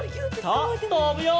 さあとぶよ！